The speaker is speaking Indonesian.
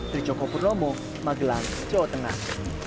trijoko purnomo magelang jawa tengah